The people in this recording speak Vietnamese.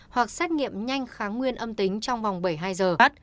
hoặc xét nghiệm nhanh kháng nguyên âm tính trong vòng bảy mươi hai giờ gắt